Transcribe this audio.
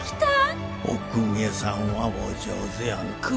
お公家さんはお上手やなぁ。